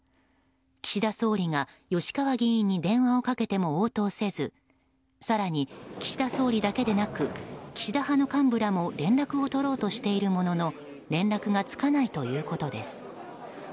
岸田総理が吉川議員に電話をかけても応答せず更に、岸田総理だけでなく岸田派の幹部らも連絡を取ろうとしているものの連絡がつかないということです。